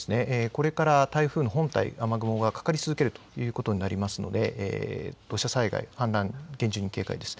これから台風の本体、雨雲がかかり続けるということになりますので、土砂災害、氾濫、厳重に警戒です。